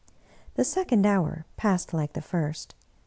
The second hour passed like the first.